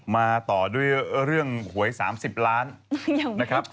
มาต่อด้วยเรื่องหวย๓๐ล้านนะครับ